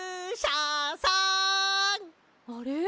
あれ？